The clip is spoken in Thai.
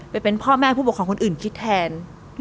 ไปเป็นพ่อแม่ผู้ปกครองคนอื่นคิดแทน